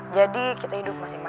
dari siapa rek